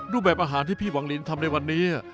รูปแบบอาหารที่พี่หวังลินทำในวันนี้